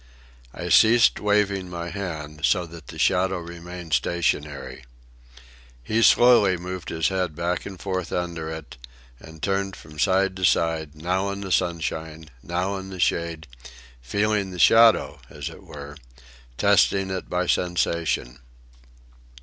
I ceased waving my hand, so that the shadow remained stationary. He slowly moved his head back and forth under it and turned from side to side, now in the sunshine, now in the shade, feeling the shadow, as it were, testing it by sensation.